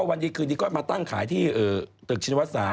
วันดีคืนนี้ก็มาตั้งขายที่ตึกชินวัต๓